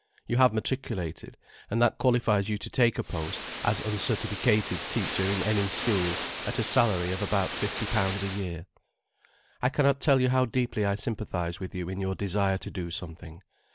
You have matriculated, and that qualifies you to take a post as uncertificated teacher in any school, at a salary of about fifty pounds a year. "I cannot tell you how deeply I sympathize with you in your desire to do something.